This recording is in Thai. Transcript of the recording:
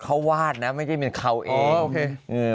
เขาวาดนะไม่ใช่เป็นเขาเองโอเค